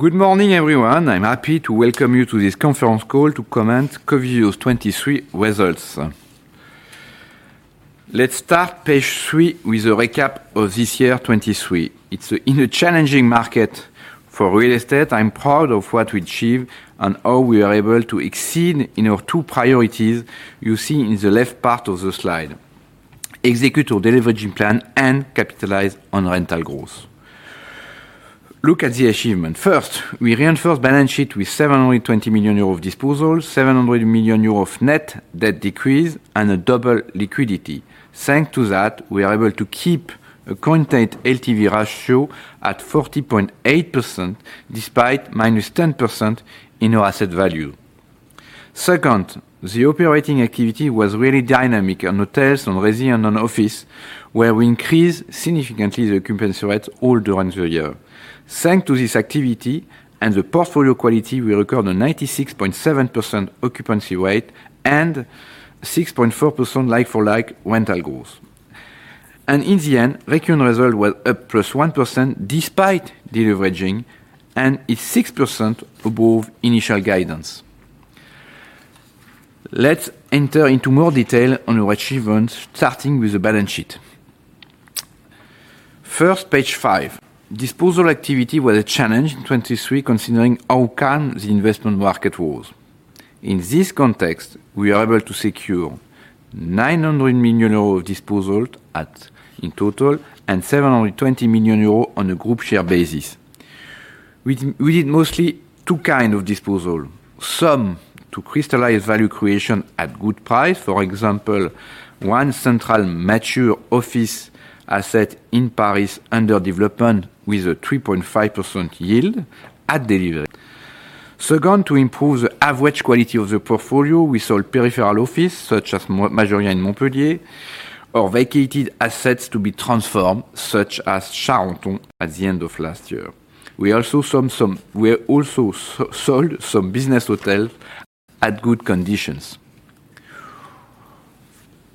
Good morning, everyone. I'm happy to welcome you to this conference call to comment on Covivio's 2023 results. Let's start page three with a recap of this year 2023. It's in a challenging market for real estate. I'm proud of what we achieved and how we were able to exceed in our two priorities you see in the left part of the slide: execute our deleveraging plan and capitalize on rental growth. Look at the achievement. First, we reinforced the balance sheet with 720 million euros of disposal, 700 million euros of net debt decrease, and a double liquidity. Thanks to that, we were able to keep a conservative LTV ratio at 40.8% despite -10% in our asset value. Second, the operating activity was really dynamic on hotels, on residential, and on office, where we increased significantly the occupancy rates all during the year. Thanks to this activity and the portfolio quality, we recorded a 96.7% occupancy rate and 6.4% like-for-like rental growth. In the end, the recurring result was up +1% despite deleveraging, and it's 6% above initial guidance. Let's enter into more detail on our achievements, starting with the balance sheet. First, page five. Disposal activity was a challenge in 2023 considering how calm the investment market was. In this context, we were able to secure 900 million euros of disposal in total and 720 million euros on a group share basis. We did mostly two kinds of disposal: some to crystallize value creation at good price, for example, one central mature office asset in Paris under development with a 3.5% yield at delivery. Second, to improve the average quality of the portfolio, we sold peripheral offices such as Majorelle in Montpellier or vacated assets to be transformed, such as Charenton at the end of last year. We also sold some business hotels at good conditions.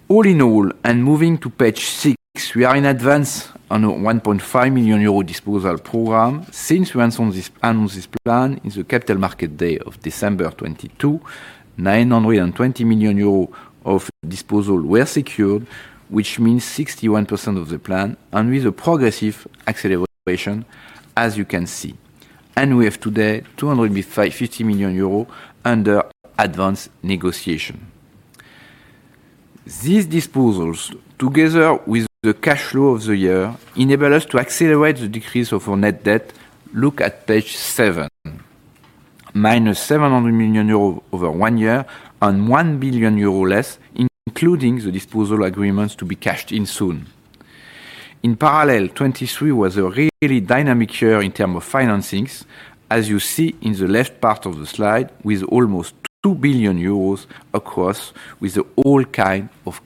All in all, and moving to page six, we are in advance on a 1.5 million euro disposal program. Since we announced this plan in the Capital Market Day of December 2022, 920 million euros of disposal were secured, which means 61% of the plan, and with a progressive acceleration, as you can see. And we have today 250 million euros under advance negotiation. These disposals, together with the cash flow of the year, enable us to accelerate the decrease of our net debt. Look at page seven. Minus 700 million euros over one year and 1 billion euros less, including the disposal agreements to be cashed in soon. In parallel, 2023 was a really dynamic year in terms of financings, as you see in the left part of the slide, with almost 2 billion euros across with all kinds of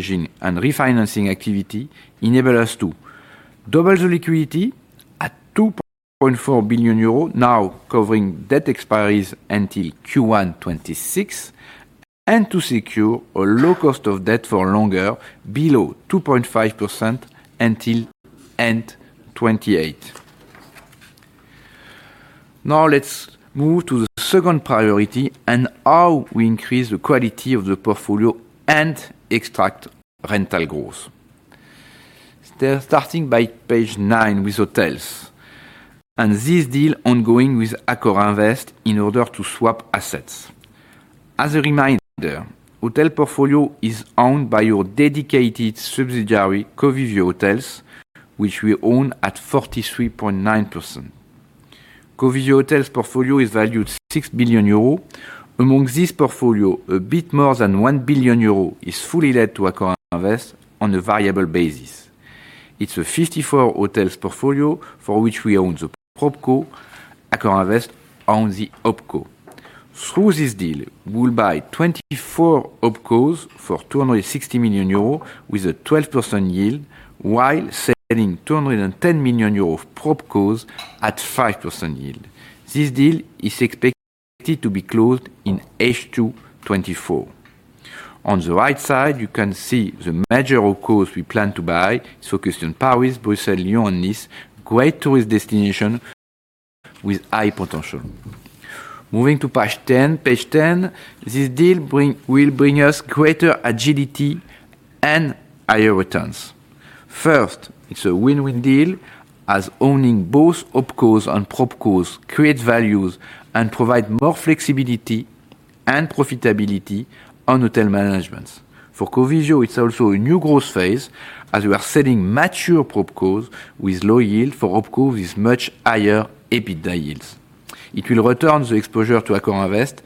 counterparts. This deleveraging and refinancing activity enable us to double the liquidity at 2.4 billion euros now, covering debt expiries until Q1 2026, and to secure a low cost of debt for longer, below 2.5% until end 2028. Now, let's move to the second priority and how we increase the quality of the portfolio and extract rental growth. Starting by page nine with hotels, and this deal ongoing with AccorInvest in order to swap assets. As a reminder, the hotel portfolio is owned by our dedicated subsidiary Covivio Hotels, which we own at 43.9%. Covivio Hotels' portfolio is valued 6 billion euro. Among this portfolio, a bit more than 1 billion euro is fully leased to AccorInvest on a variable basis. It's a 54-hotel portfolio for which we own the Propco. AccorInvest owns the Opco. Through this deal, we'll buy 24 Opcos for 260 million euros with a 12% yield, while selling 210 million euros of Propcos at 5% yield. This deal is expected to be closed in H2 2024. On the right side, you can see the major Opcos we plan to buy, focused on Paris, Brussels, Lyon, and Nice, great tourist destinations with high potential. Moving to page 10. Page 10, this deal will bring us greater agility and higher returns. First, it's a win-win deal, as owning both Opcos and Propcos creates values and provides more flexibility and profitability on hotel management. For Covivio, it's also a new growth phase, as we are selling mature Propcos with low yields for Opcos with much higher EBITDA yields. It will reduce the exposure to AccorInvest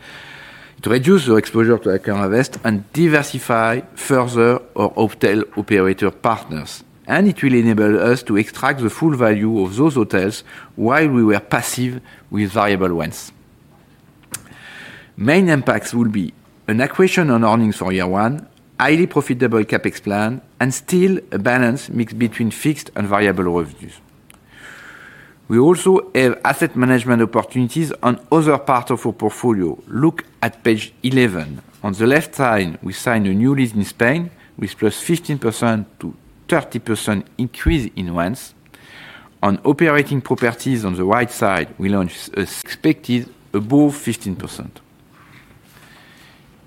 and diversify further our hotel operator partners. And it will enable us to extract the full value of those hotels while we were passive with variable ones. Main impacts will be an accretion on earnings for year one, a highly profitable CapEx plan, and still a balance mixed between fixed and variable revenues. We also have asset management opportunities on the other part of our portfolio. Look at page 11. On the left side, we signed a new lease in Spain with a +15%-30% increase in ones. On operating properties on the right side, we launched a. Expected above 15%.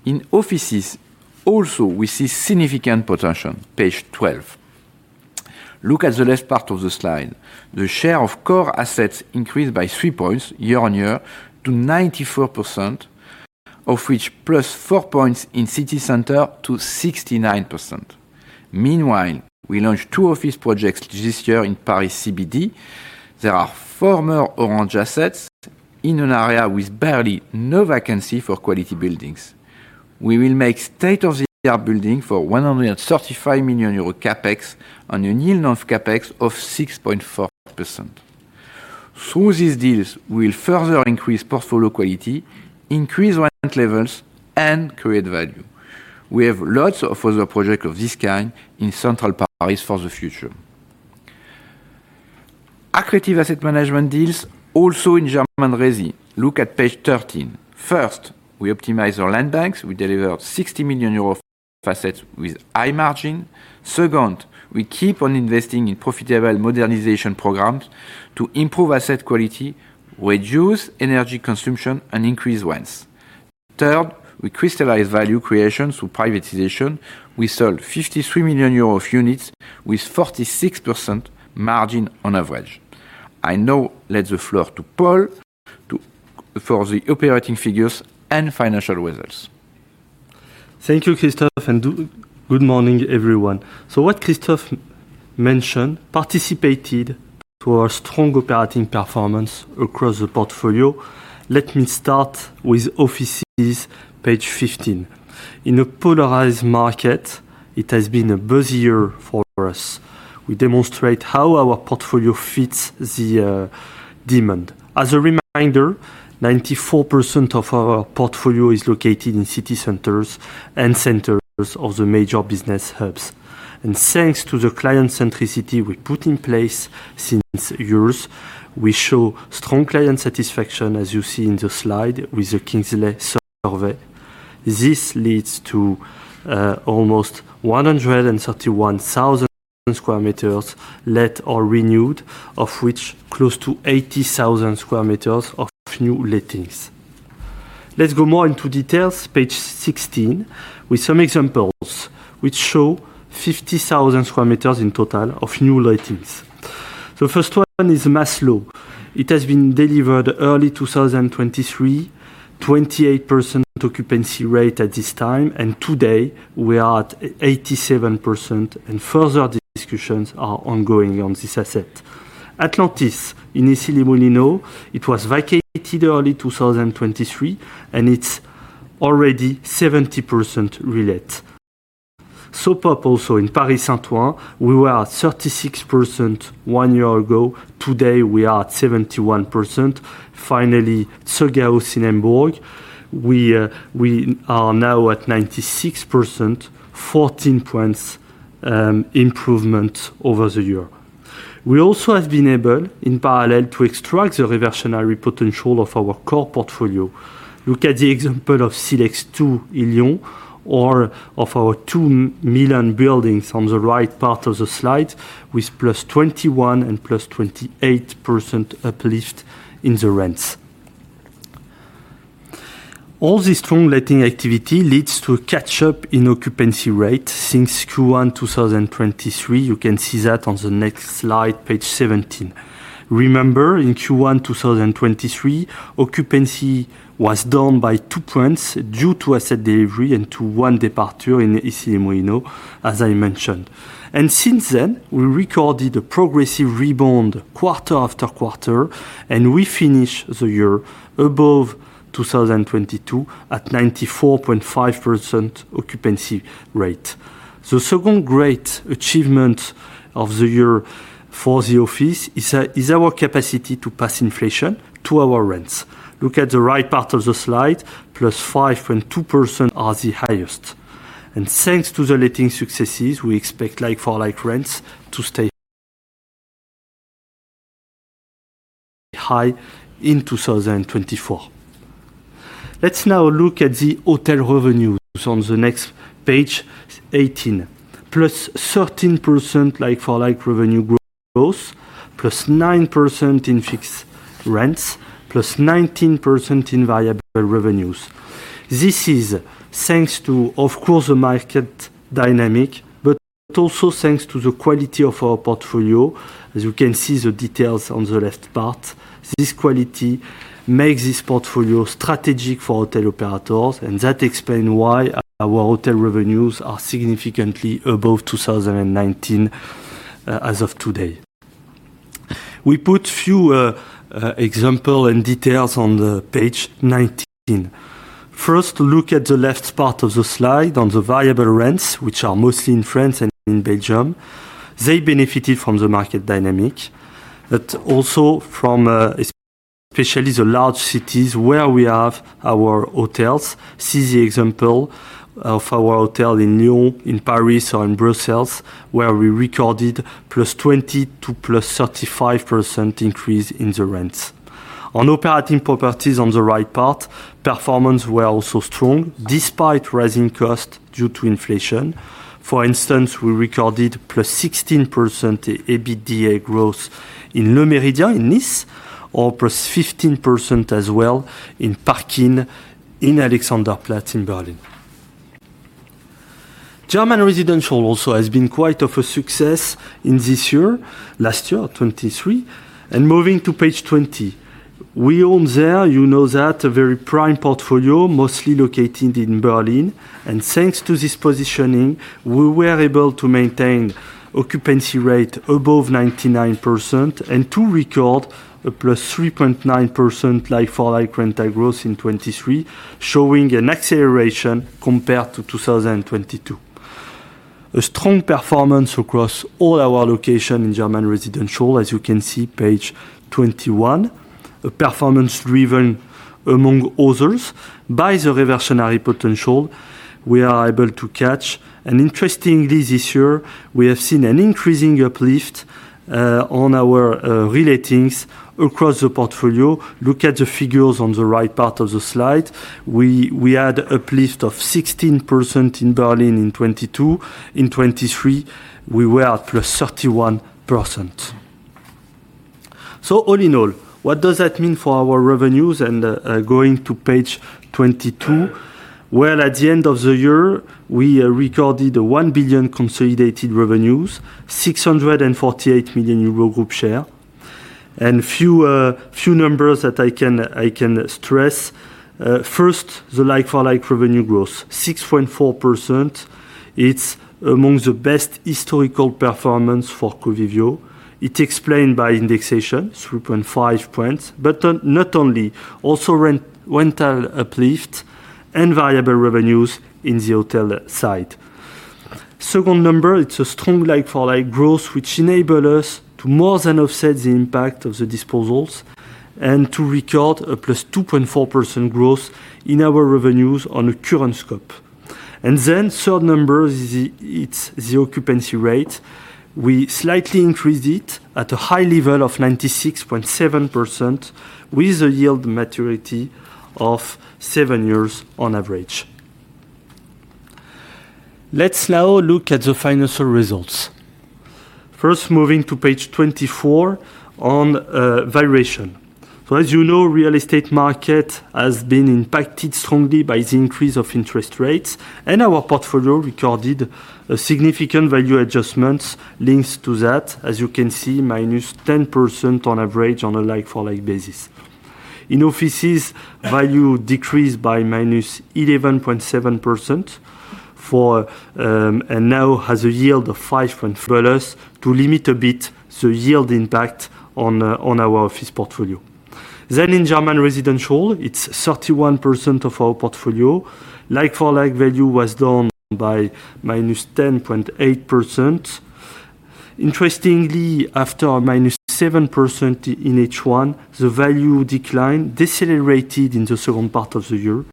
In offices, also, we see significant potential. Page 12. Look at the left part of the slide. The share of core assets increased by three points year on year to 94%, of which plus four points in city center to 69%. Meanwhile, we launched two office projects this year in Paris CBD. There are former Orange assets in an area with barely no vacancy for quality buildings. We will make state-of-the-art building for 135 million euro CapEx and a yield on CapEx of 6.4%. Through these deals, we will further increase portfolio quality, increase rent levels, and create value. We have lots of other projects of this kind in central Paris for the future. Accretive asset management deals also in German RESI. Look at page 13. First, we optimize our land banks. We delivered 60 million euros of assets with high margin. Second, we keep on investing in profitable modernization programs to improve asset quality, reduce energy consumption, and increase ones. Third, we crystallize value creation through privatization. We sold 53 million euro of units with a 46% margin on average. I now let the floor to Paul for the operating figures and financial results. Thank you, Christophe, and good morning, everyone. What Christophe mentioned participated to our strong operating performance across the portfolio. Let me start with offices, page 15. In a polarized market, it has been a buzzy year for us. We demonstrate how our portfolio fits the demand. As a reminder, 94% of our portfolio is located in city centers and centers of the major business hubs. Thanks to the client-centricity we put in place since years, we show strong client satisfaction, as you see in the slide with the Kingsley Survey. This leads to almost 131,000 square meters let or renewed, of which close to 80,000 square meters of new lettings. Let's go more into details, page 16, with some examples which show 50,000 square meters in total of new lettings. The first one is Maslow. It has been delivered early 2023, 28% occupancy rate at this time, and today we are at 87%, and further discussions are ongoing on this asset. Atlantis, in Issy-les-Moulineaux, it was vacated early 2023, and it's already 70% relet. So Pop also in Paris Saint-Ouen, we were at 36% one year ago. Today we are at 71%. Finally, Sofitel Luxembourg, we are now at 96%, 14 points improvement over the year. We also have been able, in parallel, to extract the reversionary potential of our core portfolio. Look at the example of Silex II in Lyon or of our two Milan buildings on the right part of the slide with +21% and +28% uplift in the rents. All this strong letting activity leads to a catch-up in occupancy rate since Q1 2023. You can see that on the next slide, page 17. Remember, in Q1 2023, occupancy was down by two points due to asset delivery and to one departure in Issy-les-Moulineaux, as I mentioned. Since then, we recorded a progressive rebound quarter after quarter, and we finished the year above 2022 at 94.5% occupancy rate. The second great achievement of the year for the office is our capacity to pass inflation to our rents. Look at the right part of the slide, plus 5.2% are the highest. Thanks to the letting successes, we expect like-for-like rents to stay high in 2024. Let's now look at the hotel revenues on the next page, 18. Plus 13% like-for-like revenue growth, plus 9% in fixed rents, plus 19% in variable revenues. This is thanks to, of course, the market dynamic, but also thanks to the quality of our portfolio. As you can see, the details on the left part, this quality makes this portfolio strategic for hotel operators, and that explains why our hotel revenues are significantly above 2019 as of today. We put a few examples and details on page 19. First, look at the left part of the slide on the variable rents, which are mostly in France and in Belgium. They benefited from the market dynamic, but also from especially the large cities where we have our hotels. See the example of our hotel in Lyon, in Paris, or in Brussels, where we recorded +20% to +35% increase in the rents. On operating properties on the right part, performances were also strong despite rising costs due to inflation. For instance, we recorded +16% EBITDA growth in Le Méridien, in Nice, or +15% as well in Park Inn, in Alexanderplatz in Berlin. German residential also has been quite a success in this year, last year, 2023. Moving to page 20. We own there, you know that, a very prime portfolio, mostly located in Berlin. Thanks to this positioning, we were able to maintain occupancy rates above 99% and to record a +3.9% like-for-like rent growth in 2023, showing an acceleration compared to 2022. A strong performance across all our locations in German residential, as you can see, page 21. A performance driven, among others, by the reversionary potential we are able to catch, and, interestingly, this year, we have seen an increasing uplift on our relatings across the portfolio. Look at the figures on the right part of the slide. We had an uplift of 16% in Berlin in 2022. In 2023, we were at +31%. So all in all, what does that mean for our revenues? Going to page 22. Well, at the end of the year, we recorded 1 billion consolidated revenues, 648 million euro group share. A few numbers that I can stress. First, the like-for-like revenue growth, 6.4%. It's among the best historical performance for Covivio. It's explained by indexation, 3.5 points. But not only, also rental uplift and variable revenues in the hotel side. Second number, it's a strong like-for-like growth which enabled us to more than offset the impact of the disposals and to record a +2.4% growth in our revenues on a current scope. Then, third number, it's the occupancy rate. We slightly increased it at a high level of 96.7% with a yield maturity of seven years on average. Let's now look at the financial results. First, moving to page 24 on variation. So as you know, the real estate market has been impacted strongly by the increase of interest rates, and our portfolio recorded significant value adjustments linked to that, as you can see, -10% on average on a Like-for-Like basis. In offices, value decreased by -11.7% and now has a yield of 5.0%. Thus to limit a bit the yield impact on our office portfolio. Then in German residential, it's 31% of our portfolio. Like-for-Like value was down by -10.8%. Interestingly, after -7% in H1, the value declined, decelerated in the second part of the year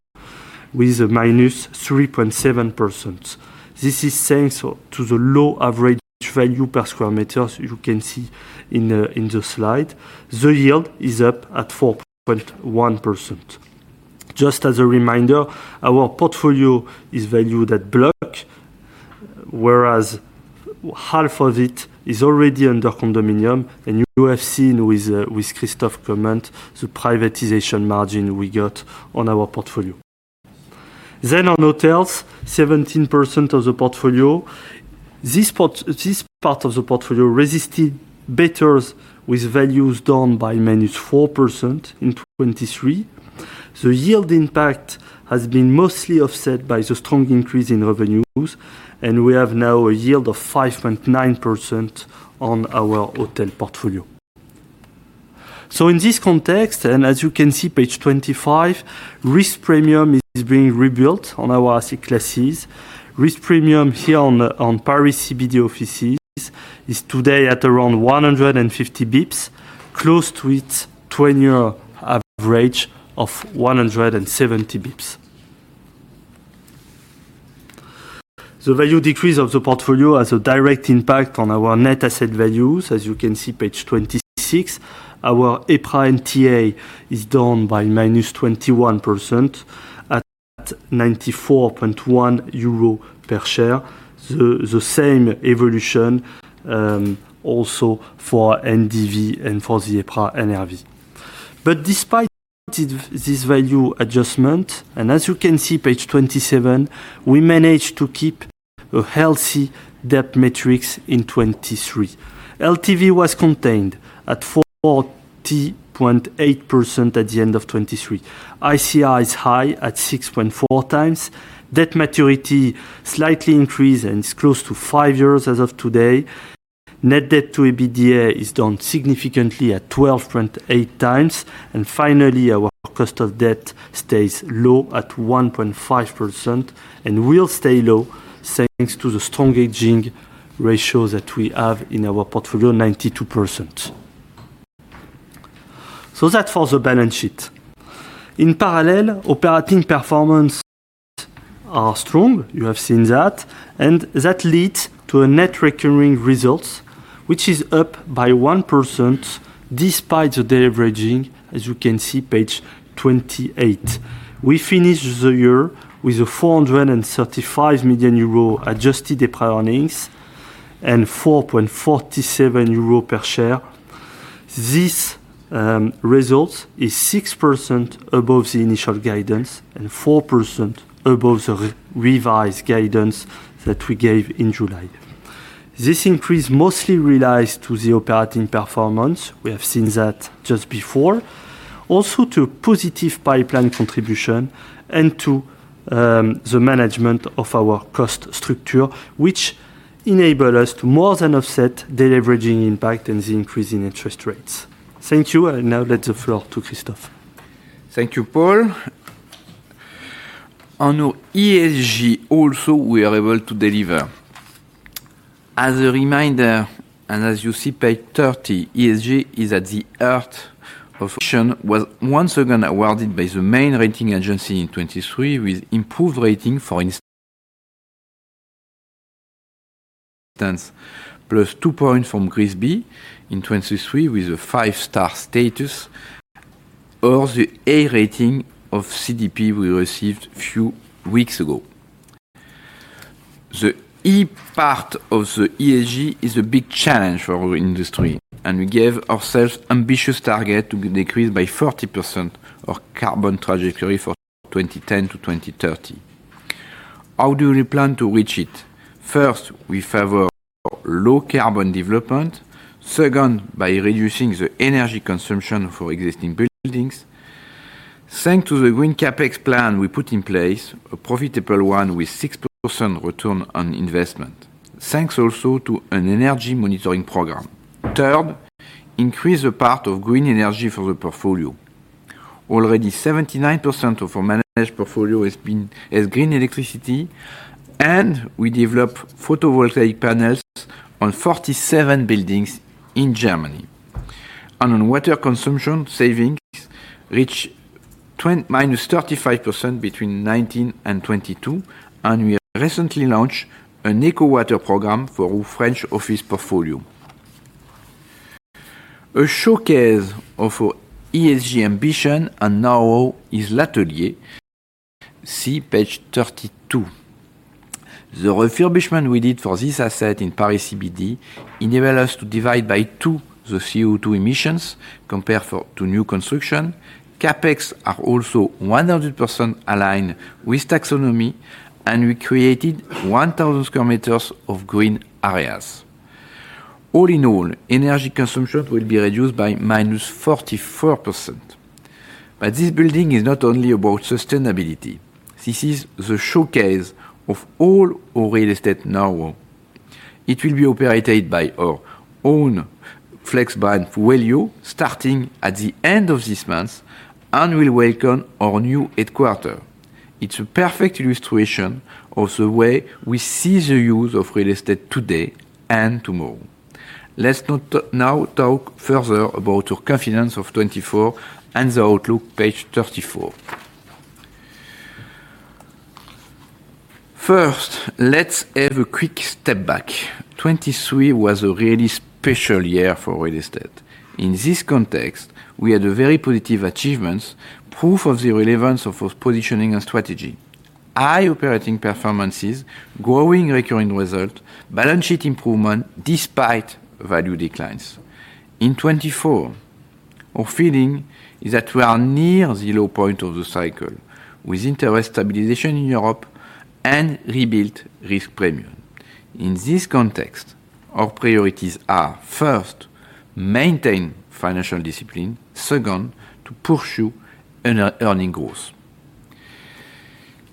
with -3.7%. This is thanks to the low average value per square meter, as you can see in the slide. The yield is up at 4.1%. Just as a reminder, our portfolio is valued at block, whereas half of it is already under condominium. You have seen with Christophe's comment the privatization margin we got on our portfolio. On hotels, 17% of the portfolio. This part of the portfolio resisted better with values down by -4% in 2023. The yield impact has been mostly offset by the strong increase in revenues, and we have now a yield of 5.9% on our hotel portfolio. In this context, and as you can see page 25, risk premium is being rebuilt on our asset classes. Risk premium here on Paris CBD offices is today at around 150 BPS, close to its 10-year average of 170 BPS. The value decrease of the portfolio has a direct impact on our net asset values, as you can see page 26. Our EPRA NTA is down by -21% at 94.1 euro per share. The same evolution also for NDV and for the EPRA NRV. Despite this value adjustment, and as you can see page 27, we managed to keep a healthy debt metrics in 2023. LTV was contained at 40.8% at the end of 2023. ICR is high at 6.4 times. Debt maturity slightly increased and is close to five years as of today. Net debt to EBITDA is down significantly at 12.8 times. Finally, our cost of debt stays low at 1.5% and will stay low thanks to the strong hedging ratios that we have in our portfolio, 92%. That's for the balance sheet. In parallel, operating performances are strong. You have seen that. That leads to a net recurring result, which is up by 1% despite the deleveraging, as you can see page 28. We finished the year with 435 million euro adjusted EPRA earnings and 4.47 euro per share. This result is 6% above the initial guidance and 4% above the revised guidance that we gave in July. This increase mostly relies to the operating performance. We have seen that just before. Also to a positive pipeline contribution and to the management of our cost structure, which enabled us to more than offset deleveraging impact and the increase in interest rates. Thank you. And now let's give the floor to Christophe. Thank you, Paul. On our ESG also, we are able to deliver. As a reminder, and as you see page 30, ESG is at the heart of. Was once again awarded by the main rating agency in 2023 with improved rating for instance plus two points from GRESB in 2023 with a five-star status or the A rating of CDP we received a few weeks ago. The E part of the ESG is a big challenge for our industry, and we gave ourselves an ambitious target to decrease by 40% our carbon trajectory from 2010 to 2030. How do we plan to reach it? First, we favor low-carbon development. Second, by reducing the energy consumption for existing buildings. Thanks to the green CapEx plan we put in place, a profitable one with 6% return on investment. Thanks also to an energy monitoring program. Third, increase the part of green energy for the portfolio. Already 79% of our managed portfolio has been green electricity, and we develop photovoltaic panels on 47 buildings in Germany. And on water consumption savings, reach minus 35% between 2019 and 2022. And we have recently launched an eco-water program for our French office portfolio. A showcase of our ESG ambition and now is L'Atelier, see page 32. The refurbishment we did for this asset in Paris CBD enabled us to divide by two the CO2 emissions compared to new construction. CapEx are also 100% aligned with Taxonomy, and we created 1,000 square meters of green areas. All in all, energy consumption will be reduced by -44%. But this building is not only about sustainability. This is the showcase of all our real estate now. It will be operated by our own flex brand Wellio, starting at the end of this month, and will welcome our new headquarters. It's a perfect illustration of the way we see the use of real estate today and tomorrow. Let's now talk further about our confidence of 2024 and the outlook, page 34. First, let's have a quick step back. 2023 was a really special year for real estate. In this context, we had very positive achievements, proof of the relevance of our positioning and strategy. High operating performances, growing recurring results, balance sheet improvement despite value declines. In 2024, our feeling is that we are near the low point of the cycle with interest stabilization in Europe and rebuilt risk premium. In this context, our priorities are first, maintain financial discipline. Second, to pursue earnings growth.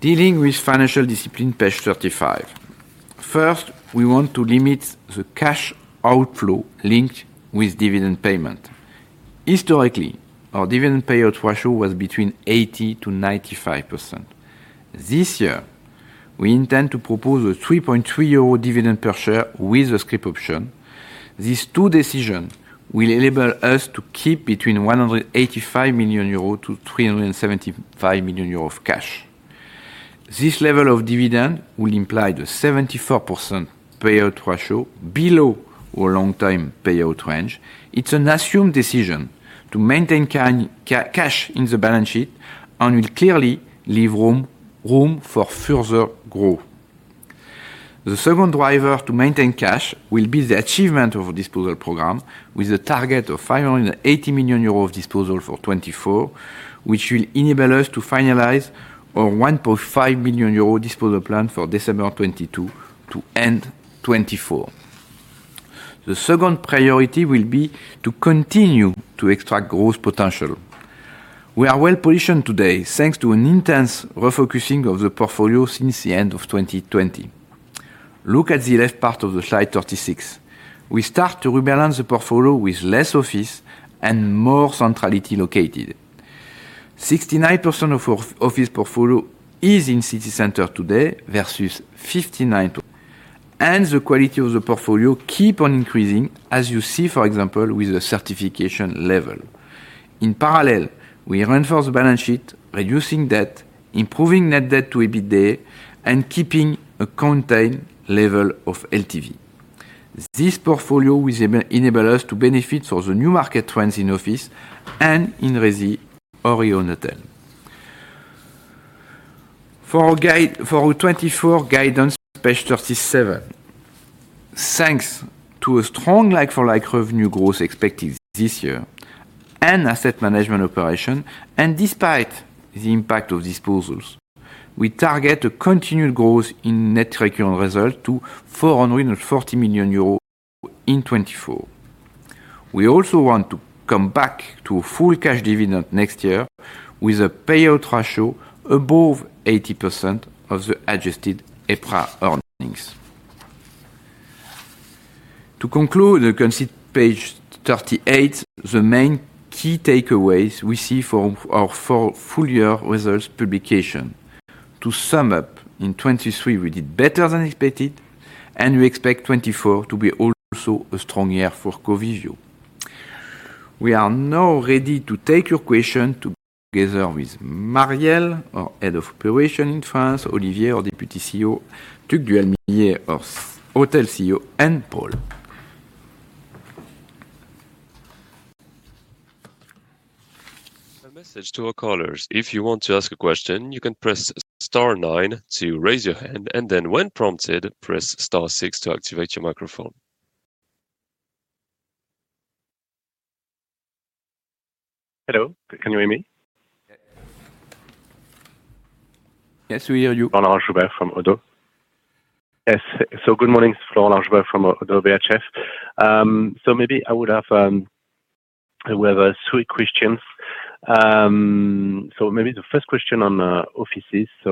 Dealing with financial discipline, page 35. First, we want to limit the cash outflow linked with dividend payment. Historically, our dividend payout ratio was between 80%-95%. This year, we intend to propose a 3.3 euro dividend per share with a scrip option. These two decisions will enable us to keep between 185 million-375 million euros of cash. This level of dividend will imply the 74% payout ratio below our long-term payout range. It's an assumed decision to maintain cash in the balance sheet and will clearly leave room for further growth. The second driver to maintain cash will be the achievement of our disposal program with a target of 580 million euros of disposal for 2024, which will enable us to finalize our 1.5 million euro disposal plan for December 2022 to end 2024. The second priority will be to continue to extract growth potential. We are well positioned today thanks to an intense refocusing of the portfolio since the end of 2020. Look at the left part of the slide 36. We start to rebalance the portfolio with less office and more centrality located. 69% of our office portfolio is in city center today versus 59%. The quality of the portfolio keeps on increasing, as you see, for example, with the certification level. In parallel, we reinforce the balance sheet, reducing debt, improving net debt to EBITDA, and keeping a contained level of LTV. This portfolio enables us to benefit from the new market trends in office and in RESI or in Hotel. For our 2024 guidance, page 37. Thanks to a strong like-for-like revenue growth expected this year and asset management operation, and despite the impact of disposals, we target continued growth in net recurring results to 440 million euros in 2024. We also want to come back to a full cash dividend next year with a payout ratio above 80% of the adjusted EPRA earnings. To conclude and see page 38, the main key takeaways we see for our full-year results publication. To sum up, in 2023, we did better than expected, and we expect 2024 to be also a strong year for Covivio. We are now ready to take your questions together with Marielle, our Head of Operations in France, Olivier, our Deputy CEO, Tugdual Millet, our hotel CEO, and Paul. A message to our callers. If you want to ask a question, you can press star nine to raise your hand, and then when prompted, press star six to activate your microphone. Hello. Can you hear me? Yes. Yes, we hear you. Florent Laroche-Joubert from ODDO BHF. Yes. So good morning, Florent Laroche-Joubert from ODDO BHF. So maybe I have three questions. So maybe the first question on offices. So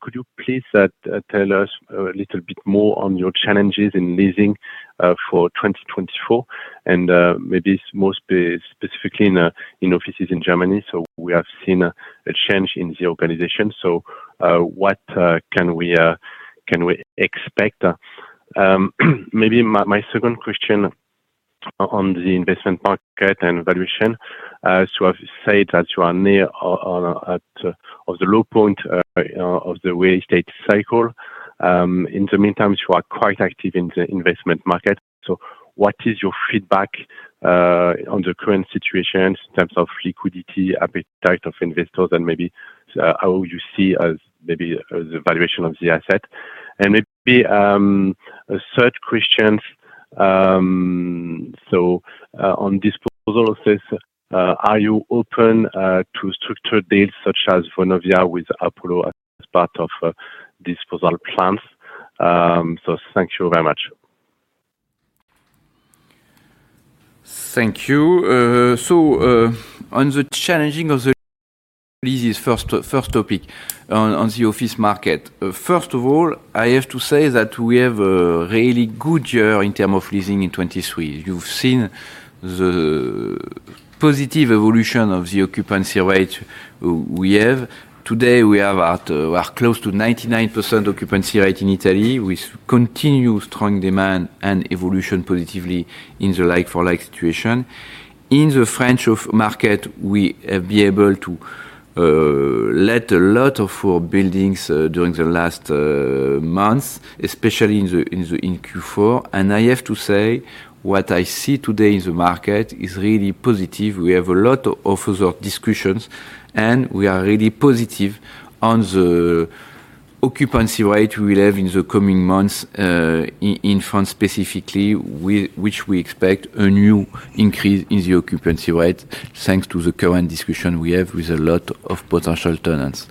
could you please tell us a little bit more on your challenges in leasing for 2024? And maybe most specifically in offices in Germany. So we have seen a change in the organization. So what can we expect? Maybe my second question on the investment market and valuation. So I've said that you are near the low point of the real estate cycle. In the meantime, you are quite active in the investment market. So what is your feedback on the current situation in terms of liquidity, appetite of investors, and maybe how you see maybe the valuation of the asset? And maybe a third question. So on disposal assets, are you open to structured deals such as Vonovia with Apollo as part of disposal plans? So thank you very much. Thank you. So on the challenging of the lease, first topic on the office market. First of all, I have to say that we have a really good year in terms of leasing in 2023. You've seen the positive evolution of the occupancy rate we have. Today, we are close to 99% occupancy rate in Italy with continued strong demand and evolution positively in the like-for-like situation. In the French market, we have been able to let a lot of our buildings during the last months, especially in Q4. I have to say what I see today in the market is really positive. We have a lot of further discussions, and we are really positive on the occupancy rate we will have in the coming months in France specifically, which we expect a new increase in the occupancy rate thanks to the current discussion we have with a lot of potential tenants.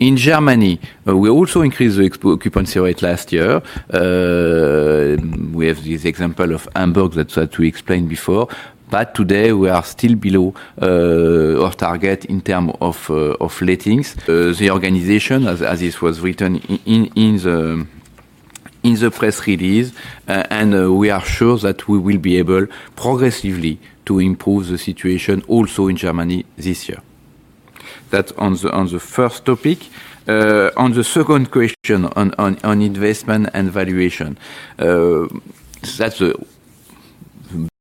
In Germany, we also increased the occupancy rate last year. We have this example of Hamburg that we explained before. But today, we are still below our target in terms of ratings. The organization, as this was written in the press release, and we are sure that we will be able progressively to improve the situation also in Germany this year. That's on the first topic. On the second question on investment and valuation, that's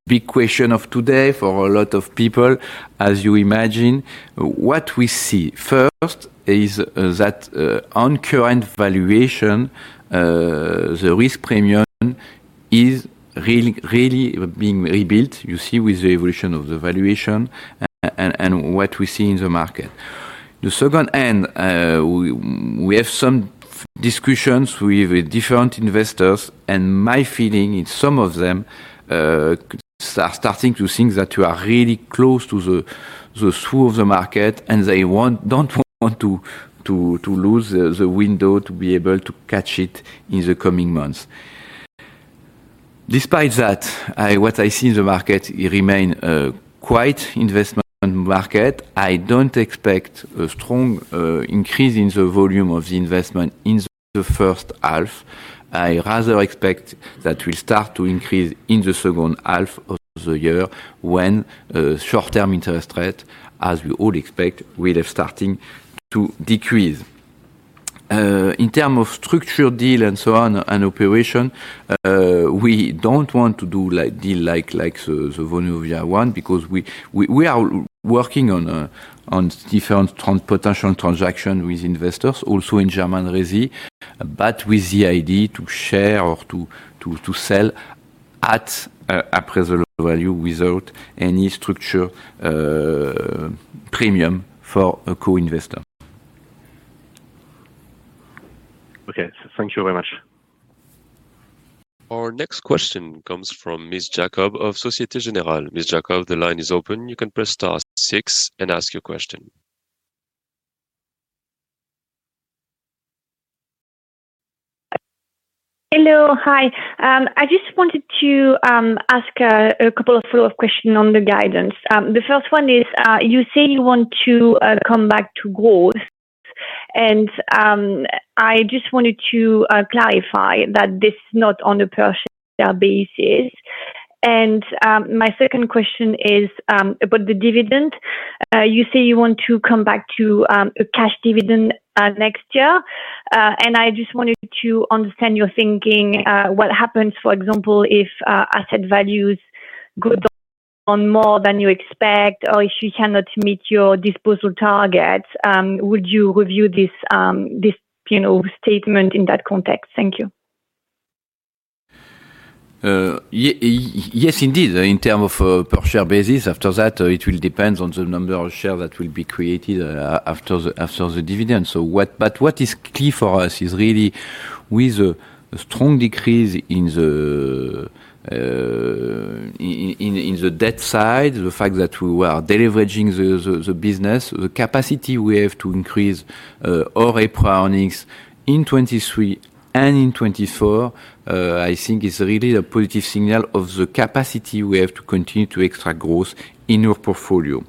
the big question of today for a lot of people, as you imagine. What we see first is that on current valuation, the risk premium is really being rebuilt, you see, with the evolution of the valuation and what we see in the market. The second end, we have some discussions with different investors, and my feeling is some of them are starting to think that you are really close to the trough of the market, and they don't want to lose the window to be able to catch it in the coming months. Despite that, what I see in the market remains quite an investment market. I don't expect a strong increase in the volume of the investment in the first half. I rather expect that we'll start to increase in the second half of the year when short-term interest rate, as we all expect, will have started to decrease. In terms of structured deal and so on and operation, we don't want to do a deal like the Vonovia one because we are working on different potential transactions with investors, also in German RESI, but with the idea to share or to sell at a present value without any structured premium for a co-investor. Okay. Thank you very much. Our next question comes from Miss Jacob of Société Générale. Miss Jacob, the line is open. You can press star six and ask your question. Hello. Hi. I just wanted to ask a couple of follow-up questions on the guidance. The first one is you say you want to come back to growth. I just wanted to clarify that this is not on a per share basis. My second question is about the dividend. You say you want to come back to a cash dividend next year. I just wanted to understand your thinking. What happens, for example, if asset values go down more than you expect or if you cannot meet your disposal targets? Would you review this statement in that context? Thank you. Yes, indeed. In terms of per share basis, after that, it will depend on the number of shares that will be created after the dividend. But what is key for us is really, with a strong decrease in the debt side, the fact that we are deleveraging the business, the capacity we have to increase our EPRA earnings in 2023 and in 2024. I think is really a positive signal of the capacity we have to continue to extract growth in our portfolio.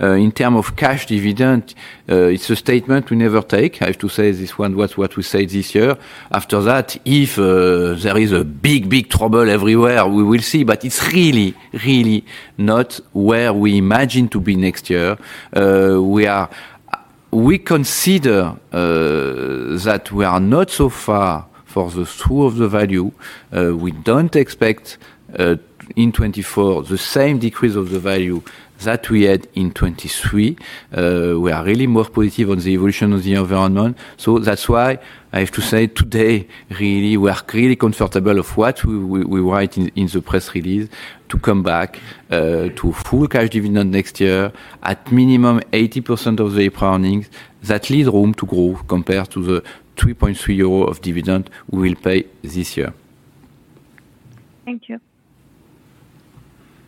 In terms of cash dividend, it's a statement we never take. I have to say this one, what we said this year. After that, if there is a big, big trouble everywhere, we will see. But it's really, really not where we imagine to be next year. We consider that we are not so far for the swoop of the value. We don't expect in 2024 the same decrease of the value that we had in 2023. We are really more positive on the evolution of the environment. So that's why I have to say today, really, we are really comfortable of what we write in the press release to come back to full cash dividend next year at minimum 80% of the EPRA earnings that leave room to grow compared to the 3.3 euro of dividend we will pay this year. Thank you.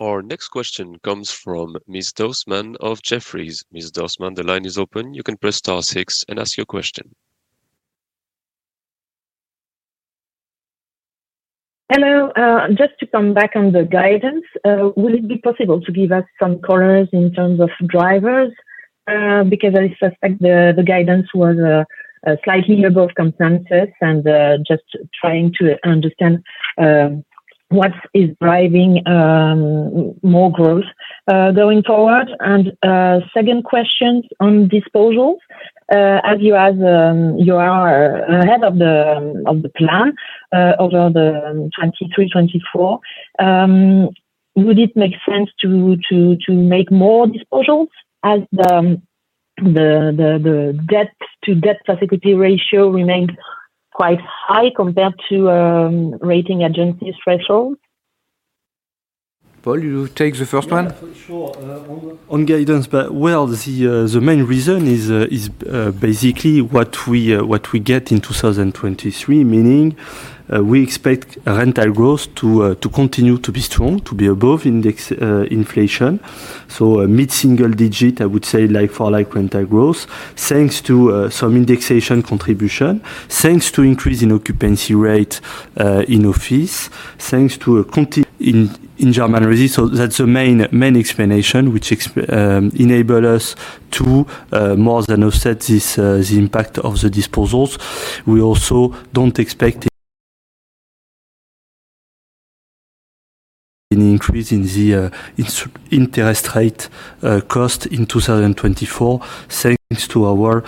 Our next question comes from Miss Dossmann of Jefferies. Miss Dossmann, the line is open. You can press star six and ask your question. Hello. Just to come back on the guidance, will it be possible to give us some colors in terms of drivers? Because I suspect the guidance was slightly above consensus and just trying to understand what is driving more growth going forward. And second question on disposals. As you are head of the plan over the 2023, 2024, would it make sense to make more disposals as the debt-to-EBITDA ratio remains quite high compared to rating agencies' thresholds? Paul, you take the first one? Sure. On guidance. But well, the main reason is basically what we get in 2023, meaning we expect rental growth to continue to be strong, to be above index inflation. So mid-single-digit, I would say, like-for-like rental growth thanks to some indexation contribution, thanks to increase in occupancy rate in office, thanks to. In German RESI. So that's the main explanation which enables us to more than offset the impact of the disposals. We also don't expect an increase in the interest rate cost in 2024 thanks to our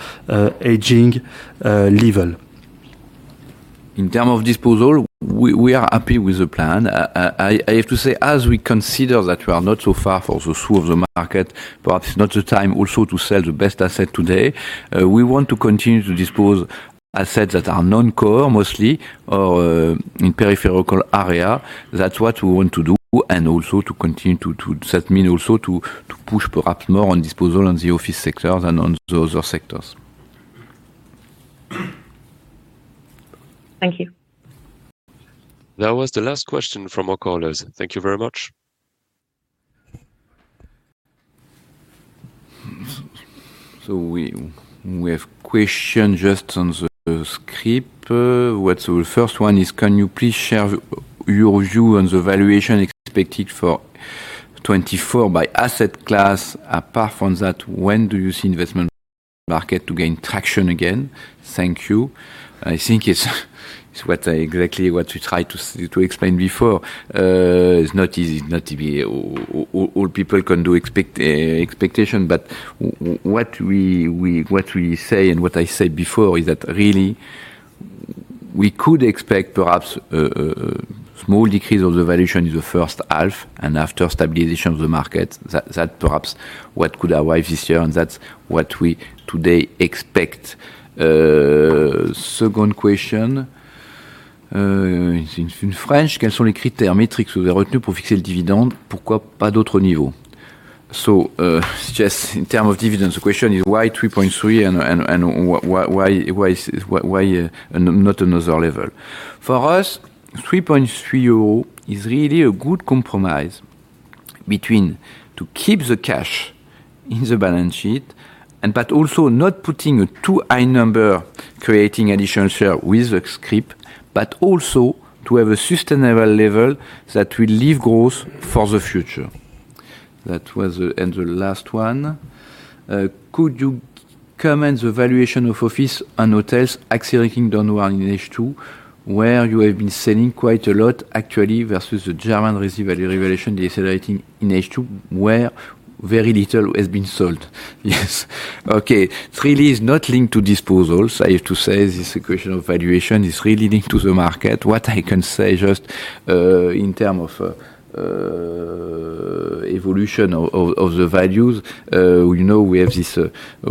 hedging level. In terms of disposal, we are happy with the plan. I have to say, as we consider that we are not so far from the swoop of the market, but it's not the time also to sell the best asset today, we want to continue to dispose assets that are non-core mostly or in peripheral area. That's what we want to do and also to continue to, that means also to push perhaps more on disposal on the office sectors and on the other sectors. Thank you. That was the last question from our callers. Thank you very much. We have questions just on the scrip. The first one is: Can you please share your view on the valuation expected for 2024 by asset class? Apart from that, when do you see investment market to gain traction again? Thank you. I think it's exactly what we tried to explain before. It's not easy. All people can do expectation. But what we say and what I said before is that really we could expect perhaps a small decrease of the valuation in the first half and after stabilization of the market. That's perhaps what could arrive this year, and that's what we today expect. Second question. In French, quels sont les critères, métriques que vous avez retenus pour fixer le dividende? Pourquoi pas d'autres niveaux? So just in terms of dividends, the question is why 3.3 and why not another level? For us, 3.3 euros is really a good compromise between to keep the cash in the balance sheet but also not putting a too high number creating additional share with the script, but also to have a sustainable level that will leave growth for the future. And the last one. Could you comment on the valuation of offices and hotels accelerating downward in H2 where you have been selling quite a lot actually versus the German RESI value revaluation decelerating in H2 where very little has been sold? Yes. Okay. Three levers not linked to disposals. I have to say this equation of valuation is really linked to the market. What I can say just in terms of evolution of the values, we have this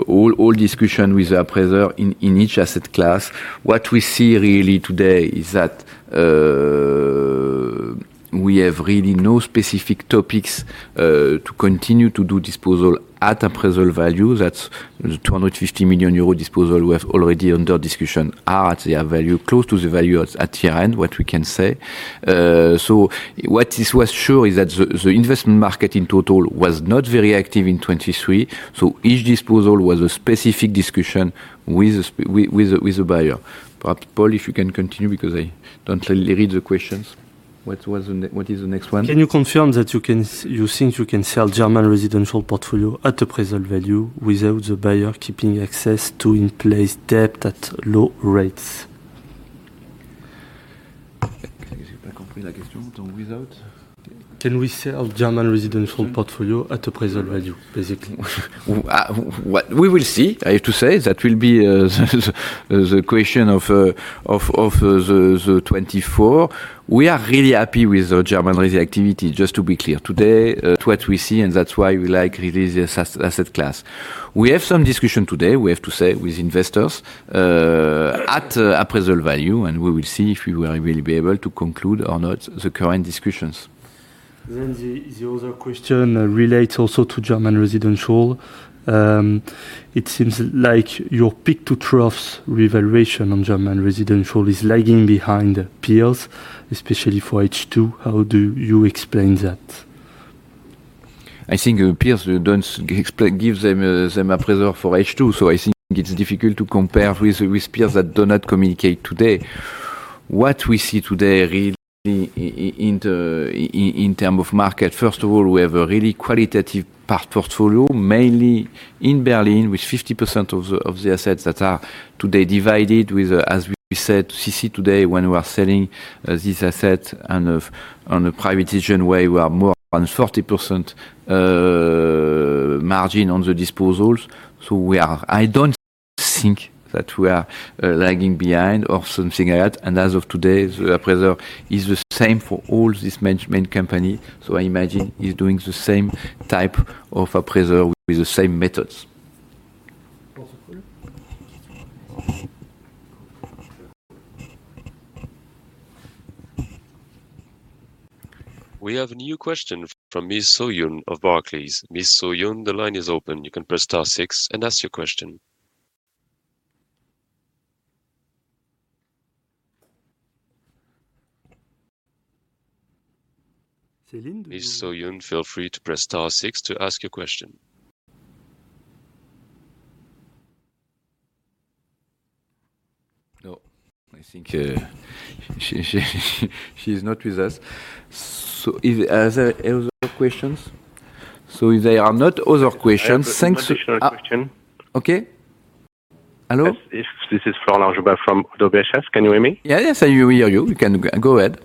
whole discussion with a presenter in each asset class. What we see really today is that we have really no specific topics to continue to do disposal at a present value. That's the 250 million euros disposal we have already under discussion at their value, close to the value at year-end, what we can say. So what was sure is that the investment market in total was not very active in 2023. So each disposal was a specific discussion with the buyer. Perhaps, Paul, if you can continue because I don't read the questions. What is the next one? Can you confirm that you think you can sell German residential portfolio at a present value without the buyer keeping access to in-place debt at low rates? I think I've not comprehended the question. Can we sell German residential portfolio at a present value, basically? We will see. I have to say that will be the question of 2024. We are really happy with the German RESI activity. Just to be clear, today. What we see, and that's why we like RESI as an asset class. We have some discussion today, we have to say, with investors at a present value, and we will see if we will be able to conclude or not the current discussions. Then the other question relates also to German residential. It seems like your peak-to-trough revaluation on German residential is lagging behind peers, especially for H2. How do you explain that? I think peers don't give them a present for H2. So I think it's difficult to compare with peers that do not communicate today. What we see today really in terms of market, first of all, we have a really qualitative portfolio, mainly in Berlin with 50% of the assets that are today divided with, as we said, CC today when we are selling these assets on a private agent way, we are more than 40% margin on the disposals. So I don't think that we are lagging behind or something like that. And as of today, the present is the same for all these main companies. So I imagine he's doing the same type of a presentation with the same methods. We have a new question from Miss Soo-Huynh of Barclays. Miss Soo-Huynh, the line is open. You can press star six and ask your question. Miss Soo-Huynh, feel free to press star six to ask your question. No. I think she's not with us. Are there other questions? So if there are not other questions, thanks. I have an additional question. Okay. Hello? This is Florent Laroche-Joubert from ODDO BHF. Can you hear me? Yes, yes. I hear you. You can go ahead.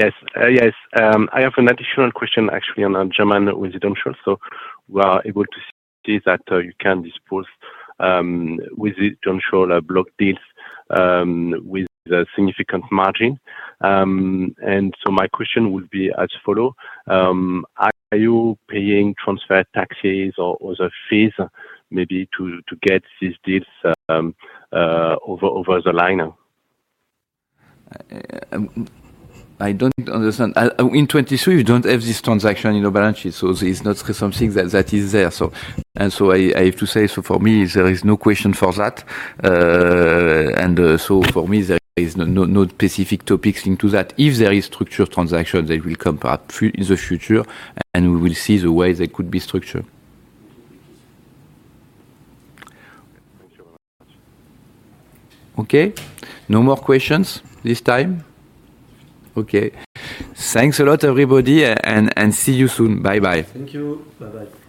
Yes. Yes. I have an additional question, actually, on German residential. So we are able to see that you can dispose residential block deals with a significant margin. And so my question would be as follows. Are you paying transfer taxes or other fees maybe to get these deals over the line? I don't understand. In 2023, you don't have this transaction in the balance sheet. So it's not something that is there. And so I have to say, so for me, there is no question for that. And so for me, there is no specific topics linked to that. If there is structured transaction, they will come perhaps in the future, and we will see the way they could be structured. Okay. No more questions this time? Okay. Thanks a lot, everybody, and see you soon. Bye-bye. Thank you. Bye-bye.